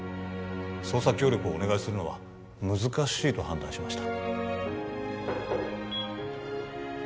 捜査協力をお願いするのは難しいと判断しました